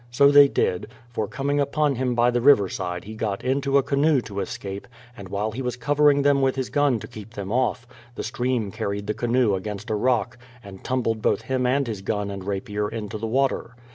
So they did ; for coming upon him by the riverside, he got into a canoe to escape and while he was covering them with his gun to keep them off, the stream carried the canoe against a rock and tumbled both him and his gun and rapier into the water.